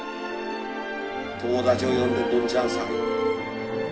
「友達を呼んでどんちゃん騒ぎ」。